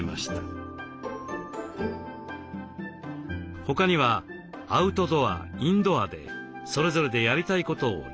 他にはアウトドアインドアでそれぞれでやりたいことをリストアップ。